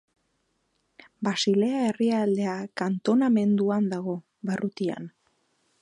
Basilea Herrialdea kantonamenduan dago, barrutian.